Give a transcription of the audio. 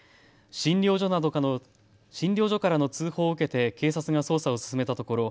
診療所からの通報を受けて警察が捜査を進めたところ